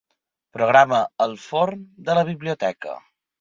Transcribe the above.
Programa el forn de la biblioteca.